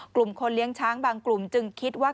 คนเลี้ยงช้างบางกลุ่มจึงคิดว่า